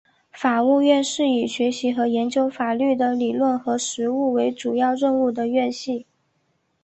法学院是以学习和研究法律的理论和实务为主要任务的院系。